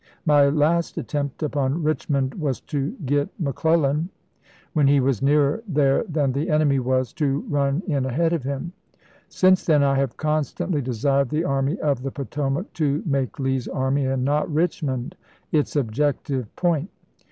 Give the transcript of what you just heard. My last attempt upon Richmond was to get Mc Clellan, when he was nearer there than the enemy was, to run in ahead of him. Since then I have constantly desired the Army of the Potomac to make Lee's army, and not Richmond, its objective point.